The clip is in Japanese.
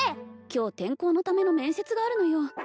今日転校のための面接があるのよ